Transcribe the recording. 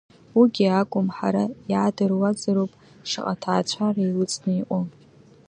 Уигьы акәым, ҳара иаадыруазароуп шаҟа ҭаацәара еилыҵны иҟоу.